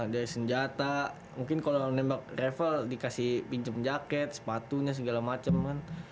dari senjata mungkin kalau menembak rifle dikasih pinjem jaket sepatunya segala macem kan